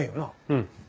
うん。